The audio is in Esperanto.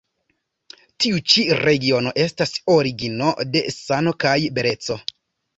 Tiu ĉi regiono estas origino de sano kaj beleco.